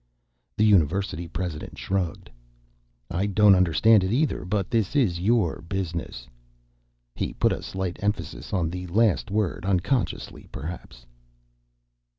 The university president shrugged. "I don't understand it either. But, this is your business." He put a slight emphasis on the last word, unconsciously perhaps.